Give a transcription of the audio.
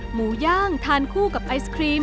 หมูย่างทานคู่กับไอศครีม